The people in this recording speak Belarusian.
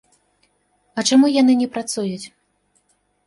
А чаму яны не працуюць?